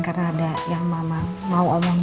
karena ada yang mama mau omongin